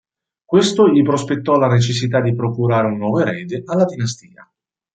Questo gli prospettò la necessità di procurare un nuovo erede alla dinastia.